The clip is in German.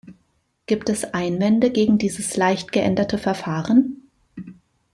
Gibt es Einwände gegen dieses leicht geänderte Verfahren?